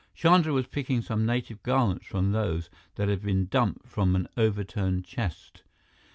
Chandra was picking some native garments from those that had been dumped from an overturned chest.